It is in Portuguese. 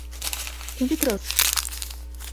Quem te trouxe?